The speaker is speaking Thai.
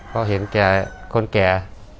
พอเห็นแก่คนแก่